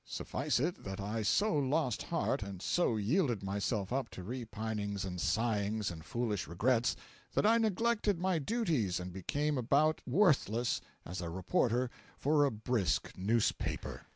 ] Suffice it that I so lost heart, and so yielded myself up to repinings and sighings and foolish regrets, that I neglected my duties and became about worthless, as a reporter for a brisk newspaper.